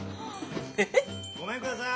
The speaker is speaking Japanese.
・ごめんください。